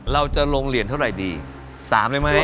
เราจะลงเหรียญเท่าไหร่ดี๓เลยมั้ย